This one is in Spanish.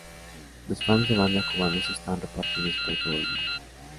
Los fans de banda cubanos están repartidos por todo el mundo.